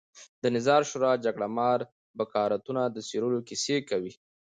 د نظار شورا جګړهمار بکارتونو د څېرلو کیسې کوي.